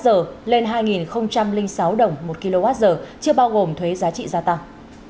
từ một chín trăm hai mươi đồng một kwh lên hai sáu đồng một kwh chưa bao gồm thuế giá trị gia tăng